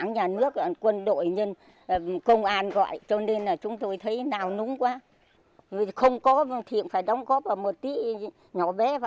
nhà nước đang cần thì mình sẵn sàng